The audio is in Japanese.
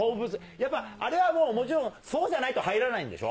やっぱあれはもうもちろんあれはそうじゃないと入らないんでしょ？